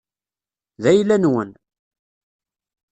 D ayla-nwen.